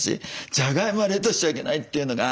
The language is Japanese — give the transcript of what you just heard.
じゃがいもは冷凍しちゃいけないというのが。